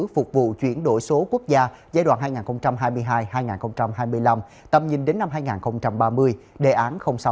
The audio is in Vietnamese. phục vụ chuyển đổi số quốc gia giai đoạn hai nghìn hai mươi hai hai nghìn hai mươi năm tầm nhìn đến năm hai nghìn ba mươi đề án sáu